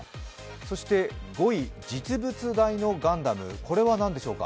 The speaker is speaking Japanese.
そして５位、実物大のガンダム、これは何でしょうか。